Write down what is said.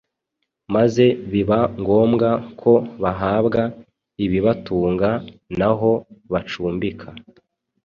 maze biba ngombwa ko bahabwa ibibatunga n’aho bacumbika.